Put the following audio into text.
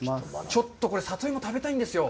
ちょっとこれ、里芋食べたいんですよ。